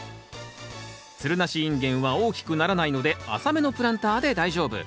つるなしインゲンは大きくならないので浅めのプランターで大丈夫。